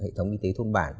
hệ thống y tế thôn bản